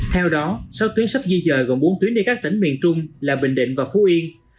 theo đó sáu tuyến sắp di dời gồm bốn tuyến đi các tỉnh miền trung là bình định và phú yên